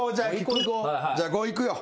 じゃあ伍いくよ。